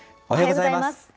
おはようございます。